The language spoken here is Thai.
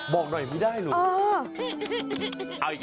บอกหน่อยไม่ได้เหรอ